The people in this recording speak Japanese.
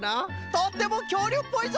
とってもきょうりゅうっぽいぞ！